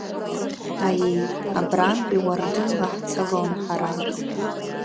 Аиеи, абрантәи уардынла ҳцалон ҳара.